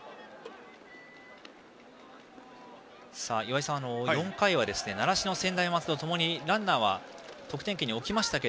岩井さん、４回は習志野、専大松戸共にランナーは得点圏に置きましたが